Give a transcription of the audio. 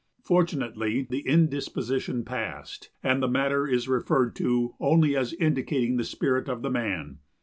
Fortunately the indisposition passed, and the matter is referred to only as indicating the spirit of the man.